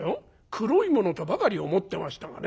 黒いものとばかり思ってましたがね。